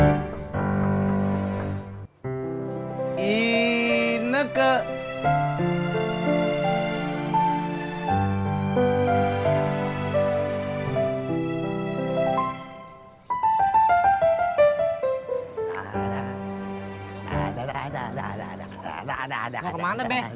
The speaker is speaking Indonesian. iko storm surat yaaon kiit berit tegen kompo